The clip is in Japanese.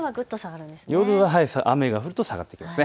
夜は雨が降ると下がってきます。